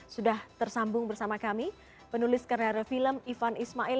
sudah tersambung bersama kami penulis karya film ivan ismail